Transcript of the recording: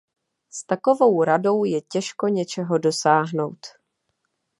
S takovou Radou je těžko něčeho dosáhnout.